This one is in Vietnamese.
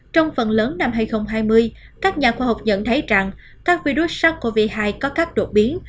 trong phần lớn năm hai nghìn hai mươi các nhà khoa học nhận thấy rằng các virus sars cov hai có các đột biến